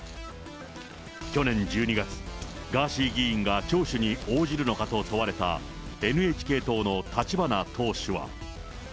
去年１２月、ガーシー議員が聴取に応じるのかと問われたＮＨＫ党の立花党首は。